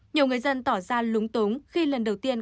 nhiều người dân tỏ ra lúng túng khi lần đầu tiên